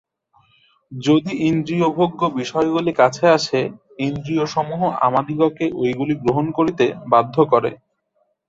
যদি ইন্দ্রিয়ভোগ্য বিষয়গুলি কাছে আসে, ইন্দ্রিয়সমূহ আমাদিগকে ঐগুলি গ্রহণ করিতে বাধ্য করে।